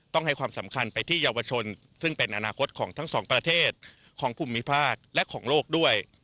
ต้องให้ความสำคัญไปที่เยาวชนซึ่งเป็นอนาคตของทั้งสองประเทศของภูมิภาคและของโลกด้วย